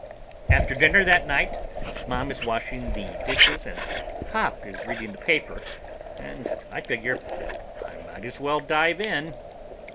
After dinner that night Mom is washing the dishes and Pop is reading the paper, and I figure I might as well dive in.